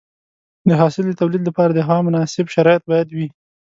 د حاصل د تولید لپاره د هوا مناسب شرایط باید وي.